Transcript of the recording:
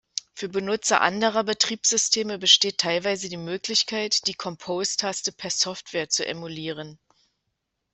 Für Benutzer anderer Betriebssysteme besteht teilweise die Möglichkeit, die Compose-Taste per Software zu emulieren.